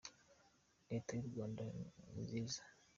leta yurwanda nizniza